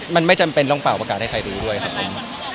มันไม่จำเป็นต้องเป่าประกาศให้ใครรู้ด้วยครับผม